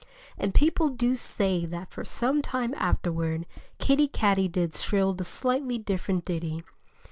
And people do say that for some time afterward, Kiddie Katydid shrilled a slightly different ditty.